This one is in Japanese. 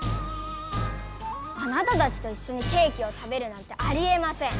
あなたたちといっしょにケーキを食べるなんてありえません！